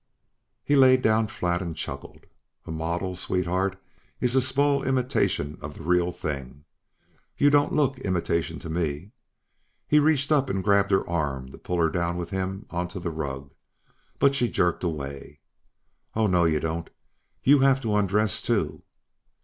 He laid down flat and chuckled. "A model, sweetheart, is a small imitation of the real thing. You don't look imitation to me." He reached up and grabbed her arm to pull her down with him onto the rug, but she jerked away. "Oh, no, you don't. You have to undress too."